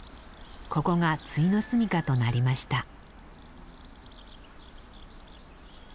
ここが終の住みかとなりました。